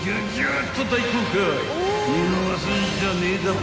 ［見逃すんじゃねえだば］